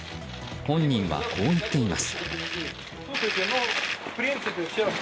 本人はこう言っています。